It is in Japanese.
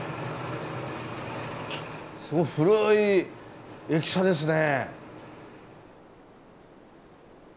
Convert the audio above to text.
すごい古い駅舎ですね。